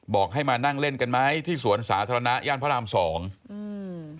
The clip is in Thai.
บอกให้มานั่งเล่นกันไหมที่สวนสาธารณะย่านพระรามสองอืม